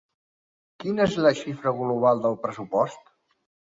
Quina és la xifra global del pressupost?